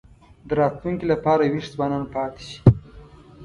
د راتلونکي لپاره وېښ ځوانان پاتې شي.